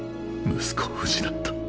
息子を失った。